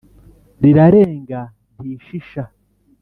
Rirarenga ntishisha